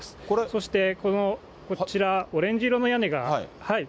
そして、こちらオレンジ色の屋根が。